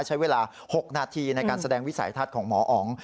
ใช้เวลา๖นาทีในการแสดงวิสัยทัศน์ของหมออ๋อง